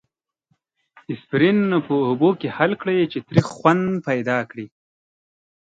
اسپرین په اوبو کې حل کړئ چې تریخ خوند پیدا کړي.